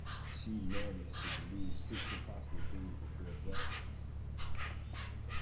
She managed to believe six impossible things before breakfast